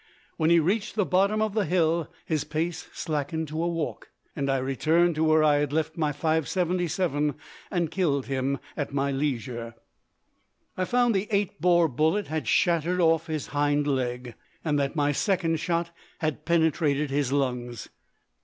When he reached the bottom of the hill his pace slackened to a walk, and I returned to where I had left my .577 and killed him at my leisure. I found the 8 bore bullet had shattered his off hind leg, and that my second shot had penetrated his lungs.